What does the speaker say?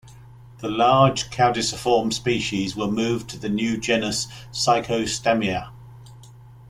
The large caudiciform species were moved to the new genus "Cyphostemma".